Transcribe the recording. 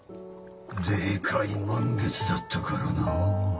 デカい満月だったからなぁ